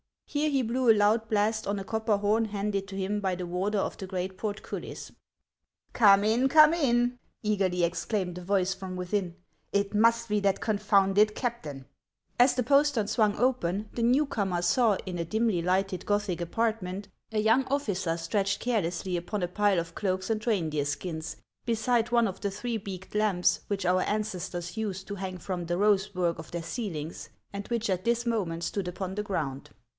Here he blew a loud blast on a copper horn handed to him by the warder of the great portcullis. " Come in, come in !" eagerly ex HANS OF ICELAND. 41 claimed a voice from within ;" it must be that confounded captain !" As the postern swung open, the new comer saw, in a dimly lighted Gothic apartment, a young officer stretched carelessly upon a pile of cloaks and reindeer skins, beside one of the three beaked lamps which our ancestors used to hang from the rose work of their ceilings, and which at this moment stood upon the ground.